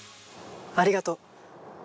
ありがとう！